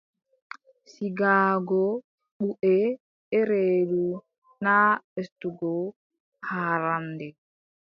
Sigaago buʼe e reedu, naa ɓesdugo haarannde.